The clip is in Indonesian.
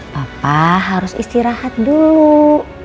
papa harus istirahat dulu